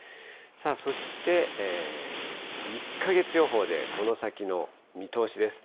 そして１か月予報で、この先の見通しです。